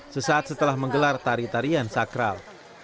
sesaat setelah menggelar tari tarian sakral